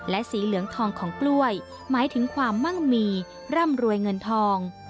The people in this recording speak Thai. และสีเหลืองทองของกล้วยหมายถึงความมั่งมีร่ำรวยเงินทอง